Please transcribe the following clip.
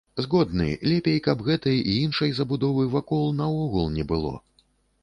Згодны, лепей, каб гэтай і іншай забудовы вакол наогул не было.